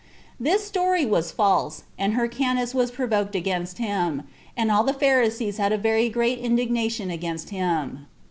29" This story was false, and Hyrcanus was provoked against him; and all the Pharisees had a very great indignation against him.